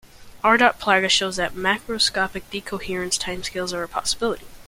R. Plaga shows that macroscopic decoherence timescales are a possibility.